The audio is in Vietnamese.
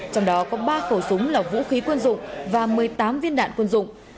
trong đó có ba khẩu súng là vũ khí quân dụng và một mươi tám viên đạn quân dụng